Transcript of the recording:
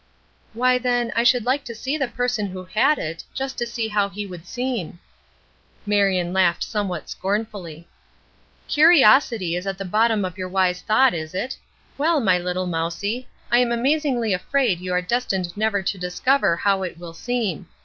"Why, then, I should like to see the person who had it, just to see how he would seem." Marion laughed somewhat scornfully. "Curiosity is at the bottom of your wise thought, is it? Well, my little mousie, I am amazingly afraid you are destined never to discover how it will seem.